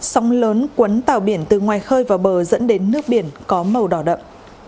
sóng lớn quấn tàu biển từ ngoài khơi vào bờ dẫn đến nước biển có màu đỏ đậm